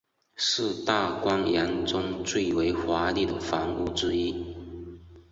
是大观园中最为华丽的房屋之一。